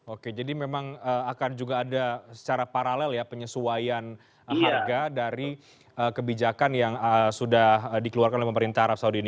oke jadi memang akan juga ada secara paralel ya penyesuaian harga dari kebijakan yang sudah dikeluarkan oleh pemerintah arab saudi ini